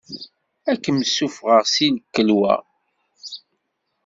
Ad kem-ssufɣeɣ si tkelwa.